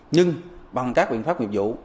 nhưng bằng các biện pháp nghiệp vụ